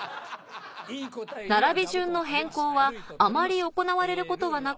並び順の変更はあまり行われることはなく